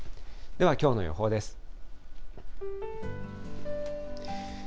ではきょうの予報です。